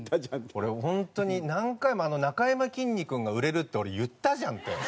俺本当に何回も「なかやまきんに君が売れる」って俺言ったじゃんって。